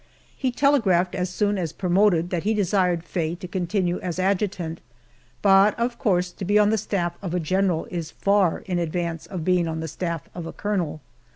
He telegraphed, as soon as promoted, that he desired Faye to continue as adjutant, but of course to be on the staff of a general is far in advance of being on the staff of a colonel.